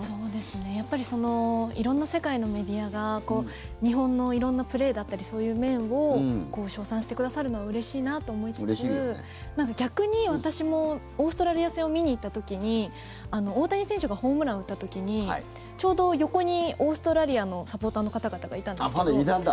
やっぱり色んな世界のメディアが日本の色んなプレーだったりそういう面を称賛してくださるのはうれしいなと思いつつ逆に私もオーストラリア戦を見に行った時に大谷選手がホームラン打った時にちょうど横にオーストラリアのサポーターの方々がファンがいたんだ。